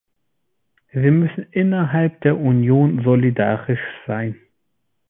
Wir müssen innerhalb der Union solidarisch sein.